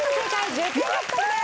１０点獲得です！